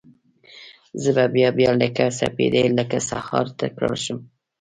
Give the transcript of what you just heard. زه به بیا، بیا لکه سپیدې لکه سهار، تکرار شم